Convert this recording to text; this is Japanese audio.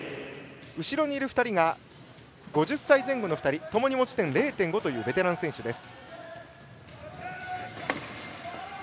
後ろにいる２人が５０歳前後の２人ともに持ち点０．５というベテラン選手です。